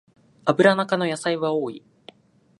アブラナ科の野菜は多い